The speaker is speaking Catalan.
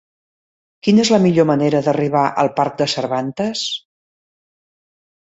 Quina és la millor manera d'arribar al parc de Cervantes?